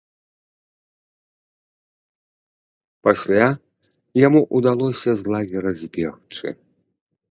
Пасля яму ўдалося з лагера збегчы.